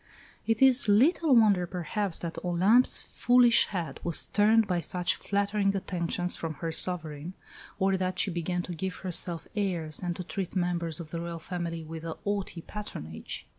It is little wonder, perhaps, that Olympe's foolish head was turned by such flattering attentions from her sovereign, or that she began to give herself airs and to treat members of the Royal family with a haughty patronage.